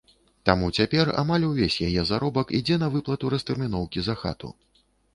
Таму цяпер амаль увесь яе заробак ідзе на выплату растэрміноўкі за хату.